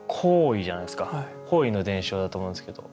行為の伝承だと思うんですけど。